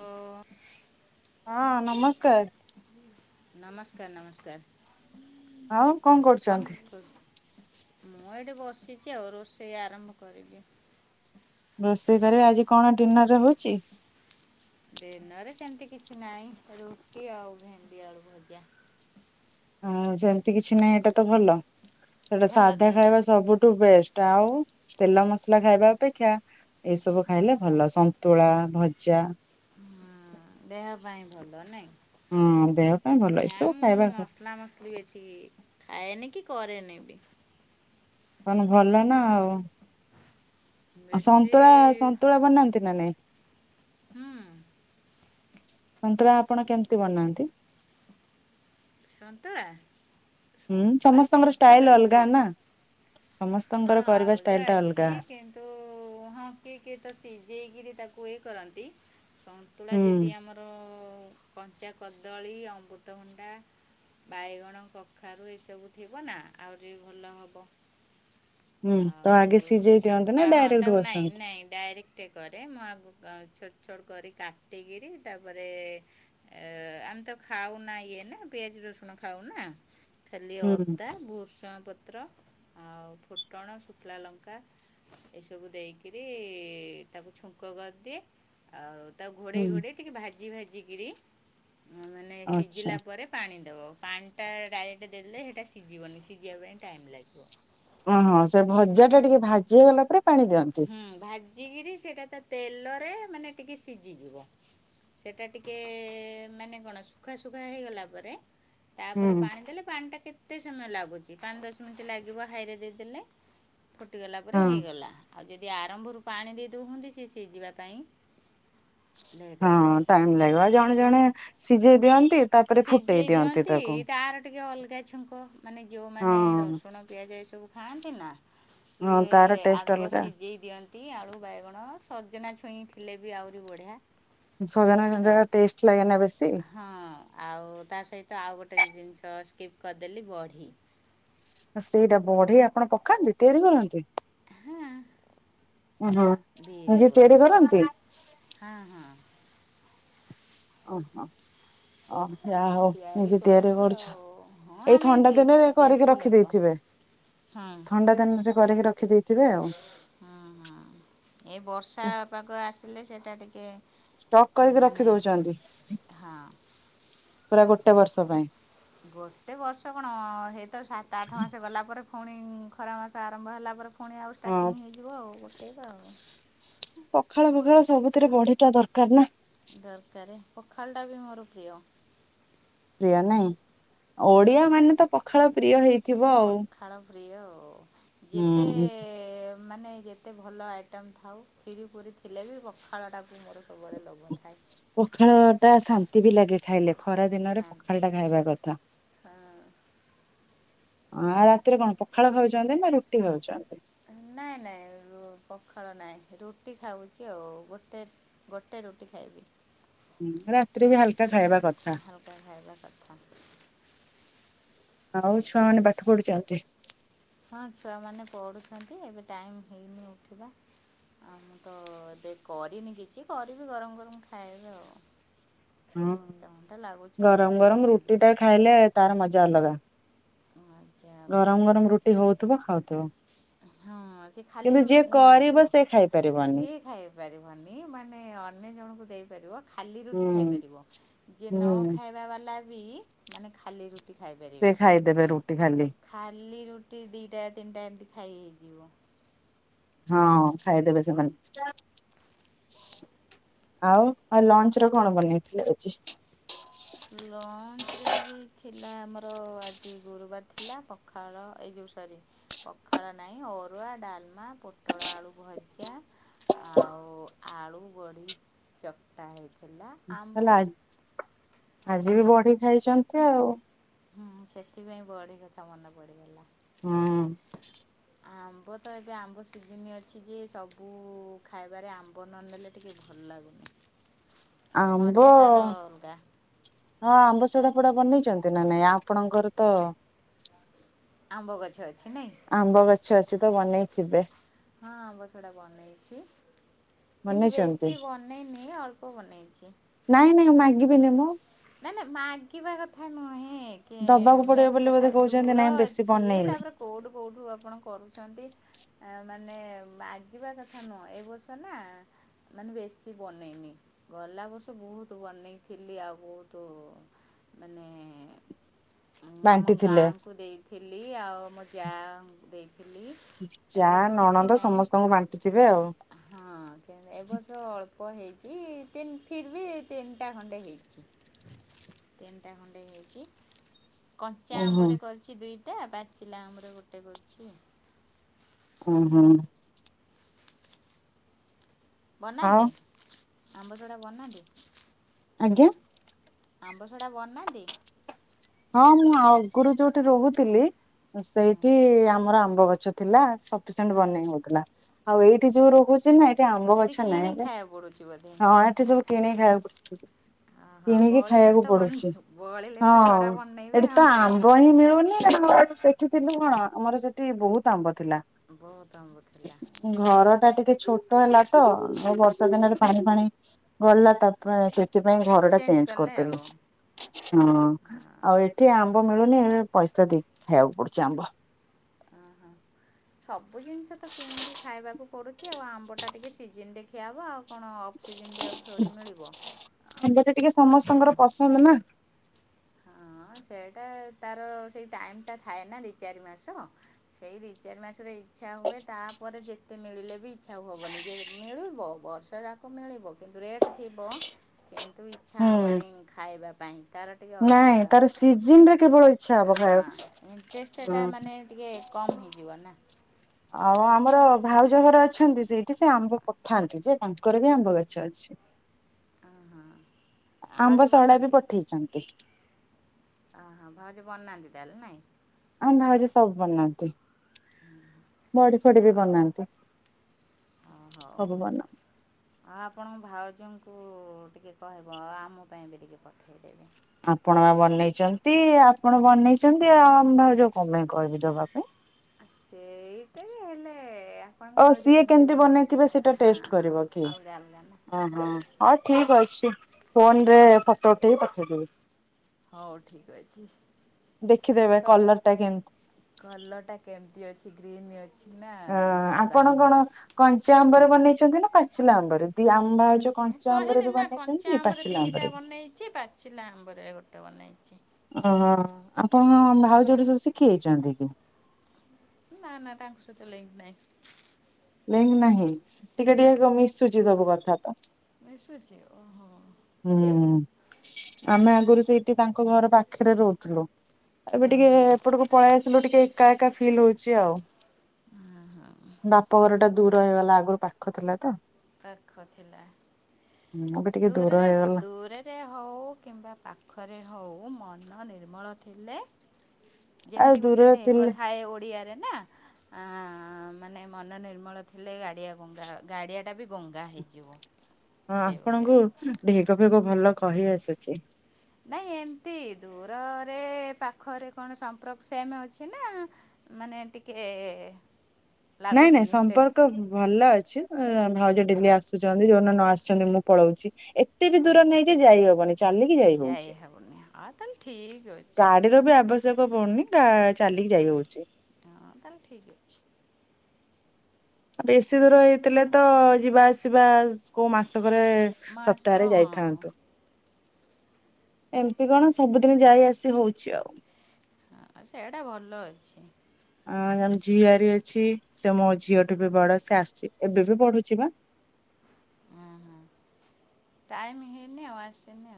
ହଁ ହଁ ନମସ୍କାର୍ ନମସ୍କାର୍ ନମସ୍କାର୍ ଆଉ କଣ କରୁଛନ୍ତି? କରୁ- ମୁଁ ଏଇଠି ବସିଛି ଆଉ ରୋଷେଇ ଆରମ୍ଭ କରିବି ରୋଷେଇ କରିବେ ଆଜି କଣ ଡିନର ରେ ହୋଉଚି? ଦିନରେ ସେମିତି କିଛି ନାହିଁ ରୁଟି ଆଉ ଭେଣ୍ଡି ଆଳୁ। ଭଜା ହଁ ସେମିତି କିଛି ନାହିଁ ଏଇଟା ତ ଭଲ ସେଟା ଭଲ ସାଧା ଦେହ ଖାଇବା ହୁଁ, ସବୁଠୁ ବେଷ୍ଟ। ଟାଉ ତେଲ ମସଲା ଖାଇବା ଅପେକ୍ଷା ଏଇ ସବୁ ଖାଇଲେ ଭଲ ସନ୍ତୁଳା, ଭଜା ଦେହ ପାଇଁ ଭଲ ନାଇଁ? ହଁ ଦେହ ପାଇଁ ଭଲ ନା ଏସବୁ ମୁଁ ଖାଇବା କ [unintelligible] ମସଲି ବେଶୀ ଖାଏନି କି କରେନି ବି। କଣ ଭଲ ନା ଆଉ? ବେଶୀ ସନ୍ତୁଳା ସନ୍ତୁଳା ବନାନ୍ତି ନା ନାଇଁ ହୁଁ। ସନ୍ତୁଳା ଆପଣ କେମିତି ବନାନ୍ତି? ହନ୍ତା ହୁଁ ସମସ୍ତଙ୍କର ଷ୍ଟାଇଲ ଅଲଗା ଅଛି ନା ସମସ୍ତଙ୍କର କରିବା ଷ୍ଟାଇଲ ଟା ଅଲଗା। ତ ହଁ କିି କିଏ ତ ସିଜେଇ କିରି ତାକୁ ଇଏ କରନ୍ତି। ହେଲା ହୁଁ ଜେଦି ଆମର କଞ୍ଚା କଦଳୀ, ଅମୃତଭଣ୍ଡା, ବାଇଗଣ, କଖାରୁ ଏ ସବୁ ଥିବ ନା ଆହୁରି ଭଲ ହବ। ହୁଁ ତ ଆଗେ ସେ ସିଝେଇ ସବୁ ଦିଅନ୍ତି ନା ତା ହଁ ଡାଇରେକ୍ଟ ତାକୁ ନାଇଁ ବସାନ୍ତି? ନାଇଁ ଡାଇରେକ୍ଟ କରେ ମୁଁ ଆଗକୁ ଆ ଛୋଟ ଛୋଟ କରି କାଟିକିରି ତାପରେ ଆ ଆମେ ତ ଖାଉ ନା ଇଏ ନା ପିଆଜ ରସୁଣ ଖାଉ ନା। ଖାଲି ହୁଁ ଅଦା, ଭୃସଙ୍ଗ ପତ୍ର ଆଉ ଫୁଟଣ, ଶୁଖିଲା ଲ କା ଏଇ ସବୁ ଦେଇକିରି ତାକୁ ଛୁଙ୍କ କରିଦିଏ। ଆଉ ତାଉ ଘୋଡ଼େଇ ହୁଁ ଘୋଡ଼େଇ ଟିକେ ଭାଜି ଭାଜିକିରି ହଁ ମାନେ ଆଚ୍ଛା ସିଝିଲା ପରେ ପାଣି ଦବ। ପାଣି ଟା ଡାଇରେକ୍ଟ ଦେଲେ ହେଟା ସିଜିବନି ସିଜିବା ପାଇଁ ଟାଇମ୍ ଲାଗିବ। ଓହୋ ସେ ଭଜା ଟା ଟିକେ ଭାଜି ହେଇଗଲା ପରେ ପାଣି ଦିଅନ୍ତୁ। ହୁଁ ଭାଜିକିରି ସେଟା ତା ତେଲରେ ମାନେ ଟିକେ ସିଝିଯିବ। ସେଟା ଟିକେ ମାନେ କଣ ଶୁଖା ଶୁଖା ହେଇଗଲା ପରେ ହୁଁ ତାପରେ ପାଣି ଦେଲେ ପାଣିଟା କେତେ ସମୟ ଲାଗୁଛି ପାଞ୍ଚ ଦଶ ମିନିଟ୍ ଲାଗିବ ହାଇରେ ଦେଇଦେଲେ। ଫୁଟିଗଲା ପରେ ହଁ। ହେଇଗଲା। ଆଉ ଯଦି ଆରମ୍ଭରୁ ପାଣି ଦେଇଦଉନ୍ତି ସେ ସିଝିବା ପାଇଁ ଲେଟ୍ ହେବ। ହଁ ଟାଇମ୍ ଲାଗିବ ଆଉ ଜଣେ ଜଣେ ସିଜେଇ ଦିଅନ୍ତି। ତାପରେ ଫୁଟେଇ ସିଝେଇ ଦିଅନ୍ତି ତାକୁ। ତାର ଟିକେ ଅଲଗା ଛୁଙ୍କ ମାନେ ହଁ ଯେଉଁମାନେ ରସୁଣ ପିଆଜ ଏସବୁ ଖାଆନ୍ତି ନା ହଁ ତାର ସିଏ ଟେଷ୍ଟ ଆଗ ଅଲଗା ସିଝେଇ ଦିଅନ୍ତି। ଟି ଆଳୁ ବାଇଗଣ ସଜନା ଛୁଇଁ ଥିଲେ ବି ଆହୁରି ବଢ଼ିଆ। ସଜନା ସ [unintelligible] ଟେଷ୍ଟ ଲାଗେନା ବେଶୀ। ହଁ ଆଉ ତା ସହିତ ଆଉ ଗୋଟେ ଜିନିଷ ସ୍କିପ୍ କରିଦେଲି ବଢ଼ି ସେଇଟା ବଢି ଆପଣ ପକାନ୍ତି ତିଆରି କରନ୍ତି? ହଁ ଓହୋ ବିରି ନିଜେ ବଢ଼ି ତିଆରି କରନ୍ତି। ହଁ ହଁ। ଅ ହଁ। ଅ ଯା ହଉ ନିଜେ ତିଆରି କରନ୍ତି କରୁଛ। ଆଉ ହଁ ଏଇ ଆମେ ଥଣ୍ଡା ଦେଶୀ ଦିନରେ କରିକି ଦେଶୀ ରଖି ଲୋକ ଦେଇେଇଥିବେ। ହଁ ଥଣ୍ଡା ଦିନରେ କରିକି ରଖିଦେଇଥିବେ ଆଉ। ହଁ ହଁ ଏ ବର୍ଷା ପାଗ ଆସିଲେ ସେଇଟା ଟିକେ ଷ୍ଟକ୍ କରିକି ରଖି ମାନେ ଦଉଛନ୍ତି ହଁ ପୁରା ଗୋଟେ ବର୍ଷ ପାଇଁ। ଗୋଟେ ବର୍ଷ କଣ ହେଇତ ସାତ ଆଠ ମାସ ଗଲା ପରେ ଫୁଣି ଖରା ମାସ ଆରମ୍ଭ ହେଲା ପରେ ପୁଣି ଆଉ ହଁ ଷ୍ଟାର୍ଟିଙ୍ଗ ହେଇଯିବ ଆଉ ଗୋଟେଇବା ଆଉ ପଖାଳ ଫଖାଳ ସବୁଥିରେ ବଢି ଟା ଦରକାର ନା। ଦରକାର ପଖାଳ ଟା ବି ମୋର ପ୍ରିୟ। ପ୍ରିୟ ନାଇଁ ଓଡିଆ ମାନେ ତ ପଖାଳ ପ୍ରିୟ ହେଇଥିବ ଆଉ। ପଖାଳ ପ୍ରିୟ ଆଉ ଯେତେ ହୁଁ। ଏ ମାନେ ଯେତେ ଭଲ ଆଇଟମ ଥାଉ ଖିରି ପୁରି ଥିଲେ ବି ପଖାଳଟା ବି ମୋର ଭାଗରେ ଲୋଭ। [unintelligible] ପଖାଳ ଟା ଶାନ୍ତି ବି ଲାଗେ ଖାଇଲେ ଖରା ଦିନରେ ଖାଆନ୍ତି ପଖାଳ ଟା ଖାଇବା କଥା। ହଁ। ଆଉ ରାତିରେ କଣ ପଖାଳ ଖାଉଛନ୍ତି ନା ରୁଟି ଖାଉଛନ୍ତି? ନାଇଁ ନାଇଁ ପଖାଳ ନାହିଁ ରୁଟି ଖାଉଛି ଆଉ ଗୋଟେ ଗୋଟେ ରୁଟି ଖାଇବି। ହୁଁ ରାତିରେ ବି ହାଲକା ଖାଇବା କଥା। ହାଲ୍କା ଖାଇବା କଥା। ଆଉ ଛୁଆ ମାନେ ପାଠ ପଢୁଛନ୍ତି? ହଁ ଛୁଆମାନେ ପଢ଼ୁଛନ୍ତି। ଏବେ ଟାଇମ୍ ହେଇନି ଉଠିବା ହ ତ ଏବେ କରିନି କିଛି କରିବି ଗରମ ଗରମ ଖାଇବି ଆଉ। ହୁଁ। ମତେ ଲାଗୁଛି ରୁଟି ଆଉ ଭଜା। ଖାଇଲେ ତାର ମଜା ଅଲଗା। ଭଜା ଅଲଗା ଗରମ ଗରମ ରୁଟି ହଉଥୁବ ଖାଉଥୁବ। ହଁ ସେ ଖାଲି ରୁଟି ଖାଇ କରିବ ହେଇଯିବ। ସେ ଖାଇପାରିବନି କିଏ ଖାଇପାରିବନି ମାନେ ଅନ୍ୟ ଜଣଙ୍କୁ ଦେଇପାରିବ ଖାଲି ରୁଟି ହୁଁ ଖାଇପାରିବ। ଯିଏ ନ ହୁଁ ଖାଇବା ବାଲା ବି ମାନେ ଖାଲି ରୁଟି ସେ ଖାଇପାରିବେ ଖାଇଦେବେ ରୁଟି ଖାଲି ଖାଲି ରୁଟି ଦିଟା ତିନିଟା ଏମିତି ଖାଇ ହେଇଯି ହଁ ଖାଇଦେବେ ସେମାନେ। ଆଉ ଆଉ ଲଞ୍ଚ ରେ କଣ ବନେଇଥିଲେ ଆଜି? ଲଞ୍ଚରେ ବି ଥିଲା ଆମର ଆଜି ଗୁରୁବାର ଥି ପିଲା ପଖାଳ ଏଇ ଯୋଉ ସରି ପଖାଳ ନାଇଁ ଅରୁଆ ଡାଲମା ପୋଟଳା ଆଳୁ ଭ ଜା ଆଉ ଆଳୁ ବଡି ଚକଟା ହେଇଥିଲା ତା ଆମ୍ବ ହେଲେ ଆ ଆଜି ବି ବଢି ଖାଇଛନ୍ତି ଆଉ। ହୁଁ ସେଥିପାଇଁ ବଡି କଥା ମନେ ପଡିଗଲା। ହୁଁ। ଆମ୍ବ ତ ଏବେ ଆମ୍ବ ସିଜନ ଅଛି। ଟିକେ ସବୁ ଖାଇବାରେ ଆମ୍ବ ନ ନେଲେ ଟିକେ ଭଲ ଲାଗୁନି। ଆମ୍ବ ମଜା ତାର ଅଲଗା। ହଁ ଆମ୍ବ ସୋଢା ପଡା ବନେଇଛନ୍ତି ନା ନାଇଁ ଆପଣଙ୍କର ତ ଆମ୍ବ ଗଛ ଅଛି ନାଇଁ। ଆମ୍ବ ଗଛ ଅଛି ତ ବନେଇଥିବେ। ହଁଁ ଅମ୍ବ ସେରା ବନେଇଛି। କିନ୍ତୁ ବନେଇଛନ୍ତି? ବେଶୀ ବନେଇନି ଅଳ୍ପ ବନେଇଛି। ନାଇଁ ନାଇଁ ମାଗିବିନି ମ। ନାଇଁ ନାଇ ମାଗିବା କଥା ନୁହେଁ। ଇଏ ଦବାକୁ ପଡିବ ମେନ୍ ବୋଲି କଥା ବୋଧେ କହୁଛନ୍ତି ଦୂର ନାଇଁ ବେଶୀ ଅଛି ବନେଇନି। ତାପରେ କୋଉଠୁ କୋଉଠୁ ଆପଣ କରୁଛନ୍ତି? ଆ ମାନେ ମାଗିବା କଥା ନୁହଁ ଏଇ ବର୍ଷ ନା ମାନେ ବେଶୀ ବନେଇନି ଗଲା ବର୍ଷ ବହୁତ ବନେଇଥିଲି ଆଉ ବହୁତ ତୁ ମାନେ ଉଁ ଆମ ବାଣ୍ଟି ଥିଲେ ଗାଁଙ୍କୁ ଦେଇଥିଲି ଆଉ ଆମ ଯାଆଙ୍କୁ ଦେଇଥିଲି ଏ ଯାଆ, ବର୍ଷ କିଛି ନଣନ୍ଦ ନାହିଁ ସମସ୍ତଙ୍କୁ ବାଣ୍ଟୁଥିବେ ଆ ହଁ କେବେ ଏ ବର୍ଷ ଅଳ୍ପ ପ ହେଇଛି ତିନ ଫିର ବି ତିନିଟା ଖଣ୍ଡେ ହେଇଛି। ତିନିଟା ଖଣ୍ଡେ ହେଇଛି କଞ୍ଚା ଉୁଁ ହୁଁ ଆମ୍ବରେ କରିଛି ଦୁଇ ଟା ପାଚିଲା ଆମ୍ବରେ ଗୋଟେ କରିଛି ଆଉ। ହୁଁ ହୁଁ। ଆଉ ବନାନ୍ତି, ଆମ୍ବସଡ଼ା ବନାନ୍ତି? ଆଜ୍ଞା ଆମ୍ବଶଡ଼ା ବନାନ୍ତି? ହଁ ମୁଁ ଆଗରୁ ଯୋଉଠି ରହୁଥିଲି ହଁ, ସେଇଠି ଆମର ଆମ୍ବ ଗଛ ଥିଲା ସଫିସିଏଣ୍ଟ୍ ବନେଇ ହଉଥିଲା। ଆଉ ଏଇଠି ଯୋଉ ରହୁଛି ନା ଏଇଠି ଆମ୍ବ ଏଠି ଗଛ ନାହିଁ କିଣି ଏରେ ଖାଇବାକୁ ପଡ଼ୁଛି ବୋଧେ ହଁ ଏଠି ସବୁ କିନିକି ଖାଇବାକୁ ପଡ ଆଉ ବଳିିଲେ ତ ବନ୍ ବଳିଲେ ତ ହଁ। ସଡା ଏଠି ବନେଇବେ ତ ଆଉ ଆମ୍ବ ହିଁ ମିଳୁନି ଆମର ସେଠି ଥିଲୁ କଣ ଆମର ସେଠି ବହୁତ ଆମ୍ବ ଥିଲା। ବହୁତ ଆମ୍ବ ଥିଲା ଘର ଟା ଟିକେ ଛୋଟ ହେଲା ତ ଏ ବର୍ଷା ଦିନରେ ପାଣି ଫାଣି ଗଲା ତାପରେ ସେଥିପାଇଁ ଘରଟା ଚେଞ୍ଜ କଲେ ଆଉ କରିଦେଲୁ ହଁ। ଆଉ ଏଠି ଆମ୍ବ ମିଳୁନି ହେଇଥିପାଇଁ ପଇସା ଦେଇକି ଖାଇବାକୁ ପଡୁଛି ଆମ୍ବ। ଓହୋ ସବୁ ଜିନିଷ ତ କିଣିକି ଖାଇବାକୁ ପଡୁଛି ଆଉ ଆମ୍ବ ଟା ଟିକେ ସିଜିିନ ଖିଆ ହବ ଆଉ କଣ ଅଫ ସିଜିନ ରେ ଆଉ ଥୋଡି ମିଳିବ? ଆମ୍ବ ଟା ଟିକେ ସମସ୍ତଙ୍କର ପସନ୍ଦ ନା। ହଁ ସେଇଟା ତାର ସେଇ ଟାଇମଟା ଥାଏ ନା ଦି ଚାରି ମାସ ସେଇ ଦି ଚାରି ମାସରେ ହେଇ ଇଚ୍ଛା ହୁଏ ତାପରେ ଯେତେ ମିଳିଲେ ବି ଇଚ୍ଛା ଆଉ ହବନି ଯେ ମିଳିବ ବର୍ଷା ଯାକ ମିଳିବ କିନ୍ ରେଟ୍ ଥିବ କିନ୍ତୁ ଇଚ୍ଛା ହୁଁ ହବନେଇ ଖାଇବା ପାଇଁ। ତାର ଟିକେ ଅଲଗା ନାଇଁ ତାର ସିଜିନରେ କେବଳ ଇଚ୍ଛା ହବ ହଁ ଖାଇବାକୁ। ହୁଁ। ଇଣ୍ଟେଷ୍ଟଟା ମାନେ ଟିକେ କମ୍ ହେଇଯିବ ନା! ଆଉ ଆମର ଭାଉଜ ଘରେ ଅଛନ୍ତି ସେଇଠି ସେ ଆମ୍ବ ପଠାନ୍ତି ଯେ ତାଙ୍କର ବି ଆମ୍ବ ଗଛ ଅଛି। ହଁ ହଁ। ଆମ୍ବ ଭାଉଜ ସଡା ବି ବନାନ୍ତି ପଠେଇଛନ୍ତି। ହଁ ଯେ ବନାନ୍ତି ତାହେଲେ ନାଇଁ? ଆମ ଭାଉଜ ସବୁ ବନାନ୍ତି, ବଡି ଫଡି ବି ହଉ ବନାନ୍ତି। ସବୁ ବନ ହଁ ଆପଣଙ୍କ ଭାଉଜଙ୍କୁ ଟିକେ କହିବ ଆମ ପାଇଁ ବି ଟିକେ ପ ଆପଣ ବା ବନେଇଛନ୍ତି ଆପଣ ବନେଇଛନ୍ତି ଆଉ ଆମ ଭାଉଜ କଣ ପାଇଁ କହିବି ଦବା ପାଇଁ? ସେଇଟା ଯେ ହେଲେ ଆପଣଙ୍କ ଓ ଭାଉଜ ସିଏ କେମିତି ବନେଇଥିବେ ବନଉଛନ୍ତି? ସେଇଟା ହଁ ଟେଷ୍ଟ ହଁ କରିବ କି ଅଲଗା ଅଲଗା ନା! ଓହୋ ହଉ ଠିକ ଅଛି ଫୋନରେ ଫଟୋ ଉଠେଇ ପଠେଇ ଦେବି। ହଉ ଠିକ ଅଛି ଦେଖିଦେବେ ତ କଲର ଟା କେମିତି କଲର ଟା କେମିତି ଅଛି ଗ୍ରୀନ୍ ଅଛି ନା ଅ ଆପଣ ବ୍ରାଉନ୍ କଣ ଅଛି କଞ୍ଚା ଆମ୍ବରେ ବନେଇଛନ୍ତି ନା ପାଚିଲା ଆମ୍ବରେ ଦି ଆମ୍ବ ଯୋଉ ମୁଁ କଞ୍ଚା ଆମ୍ବରେ କହିଲି ବି ନା କଞ୍ଚା ବନେଇଛନ୍ତି ପାଚିଲା ଦିଟା ଆମ୍ବରେ ବି ବନେଇଛି ପାଚିଲା ଆମ୍ବରେ ଗୋଟେ ବନେଇଛି। ଓହୋ। ଆପଣ କଣ ଆମ ଭାଉଜ ଠୁ ସବୁ ଶିଖି ଯେଇଛନ୍ତି କି? ନା ନା ତାଙ୍କ ସହିତ ଲିଙ୍କ ନାଇଁ। ଲିଙ୍କ ନାହିଁ, ଟିକେ ନା ଟିକେ କଣ ମିଶୁଛି ସବୁ କଥା ତ! ମିଶୁଛି! ଓହୋ। ହୁଁ ଆମେ ଆଗରୁ ସେଇଠି ତାଙ୍କ ଘର ପାଖରେ ରହୁଥିଲୁ। ଏବେ ଟିକେ ଓହୋ। ଏପଟକୁ ପଳେଇ ଆସିଲୁ ଟିକେ ଏକା ଏକା ଫିଲ୍ ହଉଛି ଆଉ। ବାପଘର ଟା ଦୂର ହେଇଗଲା ଆଗରୁ ପାଖ ଥିଲା ତ। ପାଖ ଥିଲା। ହୁଁ ଏବେ ଟିକେ। ଦୂର ଦୂରେରେ ହେଇଗଲା। ଦୂରେ। ରେ ହଉ କିମ୍ବା ପାଖରେ ହଉ ମନ ନିର୍ମଳ ଥିଲେ। ଆଉ ଯେମିତି ଗୋଟେ ଦୂରରେ ଢେଗ ଥିଲେ ଥାଏ ଓଡ଼ିଆରେ ନା ଆଁ। ମାନେ ମନ ନିର୍ମଳ ଥିଲେ ଗାଡ଼ିଆ ଗଙ୍ଗା ଗାଡ଼ିଆ ଟା ବି ଗଙ୍ଗା ହେଇଯିବ। ହଁ ସେଇଭଳିଆ ଆପଣଙ୍କୁ ଢେକ ଫେଗ ଭଲ କହି ଆସୁଛି। ନାଇଁ ଏମିତି ଦୂରରେ ପାଖରେ କଣ ସମ୍ପ୍ରକ ସେମ ଅଛି ନା। ମାନେ ଟିକେ। ନାଇଁ ଲାଗୁଛି ନାଇଁ ମିଷ୍ଟେକ୍ ସମ୍ପର୍କ ଭଲ ଅଛି। ଏ ଭାଉଜ ଡେଲି ଆସୁଛନ୍ତି ଯୋଉ ଦିନ ନ ଆସିଛନ୍ତି ମୁଁ ପଳଉଛି ଏତେ ବି ଦୂର ନୂଅ ଯେ ଯାଇ ହବନି। ଚାଲିକି ହଉଛି। ଯାଇ ହବନି ଆଉ ତାହେଲେ ଠିକ ଅଛି। ଗାଡିର ବି ଆବଶ୍ୟକ ପଡୁନି ଗା ଚାଲିକି ଯାଇ ହଉଛି। ହଁ ତାହେଲେ ଠିକ ଅଛି। ବେଶୀ ଦୂର ହେଇଥିଲେ ତ ଯିବା ଆସିବା କୋଉ ମାସକରେ। ମାସ ସପ୍ତାହ ରେ ହଁ ଯାଇଥାନ୍ତୁ। ଏମିତି କଣ ସବୁଦିନି ଯାଇ ଆସି ହଉଛି ଆଉ। ସେଟା ଭଲ ଅଛି। ଆଁ ଆମ ଝିଆରି ଅଛି ସେ ମୋ ଝିଅଠୁ ବି ବଡ ସେ ଆସୁଛି ଏବେ ବି ପଢୁଛି ବା। ଟାଇମ ହେଇନି ଆଉ ଆସିନି।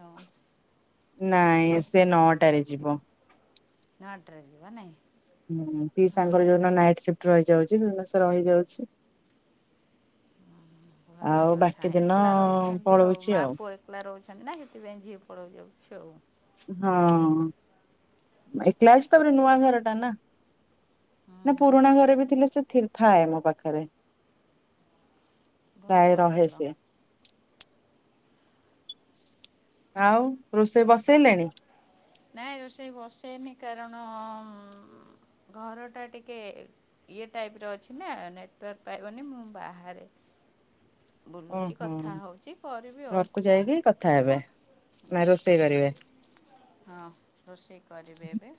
ନାଇଁ ସେ ନଅଟାରେ ଯିବ। ନଅ ଟା ରେ ଯିବ ନାଇଁ। ହୁଁ ହଁ ପିସାଙ୍କର ଯୋଉଦିନ ନାଇଟ୍ ସିଫ୍ଟ ରହିଯାଉଛି ସେଦିନ ସେ ରହିଯାଉଛି। ଭଲ ଆଉ କଥା ବାକି ଦିନ ଏକଲା ରହୁଛନ୍ତି ଆଉ ମାଆ ପୁଅ। ଏକଲା ରହୁଛନ୍ତି ନା ସେଥିପାଇଁ ଝିଅ ପଳେଇ ଯାଉଛି ଆଉ। ହଁ ଏକଲା ଅଛୁ ତାପରେ ନୂଆ ଘର ଟା ନା। ହୁଁ ନା ହୁଁ ପୁରୁଣା ଘରେ ବି ଥିଲେ ସେ ଥିୀର୍ ଥାଏ ମୋ ପାଖରେ। ଭଲ ପ୍ରାୟ ରହେ ଭଲ ସେ। ଆଉ ରୋଷେଇ ବସେଇ ଲେଣି। ନାଇଁ ରୋଷେଇ ବସେଇନି କାରଣ ଉଁ ଘର ଟା ଟିକେ। ଇଏ ଟାଇପ ର ଅଛି ନା ନେଟୱାର୍କ ପାଇବନି ମୁଁ ବାହାରେ। ବୁଲୁଚି ଓହୋ କଥା ହଉଛି କରିବି ଆଉ। ଘରକୁ ଯାଇକି କ କଥା ହେବେ ନାଇ ରୋଷେଇ କରିବେ। ହଁ ରୋଷେଇ କରିବି ଏବେ।